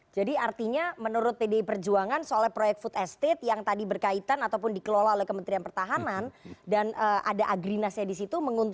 jadi artinya menurut pdi perjuangan soalnya proyek food estate yang tadi berkaitan ataupun dikelola oleh kementerian pertahanan dan ada agrinasnya di situ menguntungkan